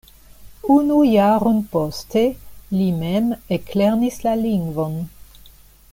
Unu jaron poste li mem eklernis la lingvon.